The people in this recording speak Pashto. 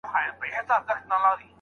که ته په املا کي هره ورځ یو نوی توری.